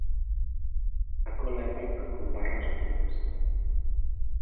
A cola é branca con barras negras.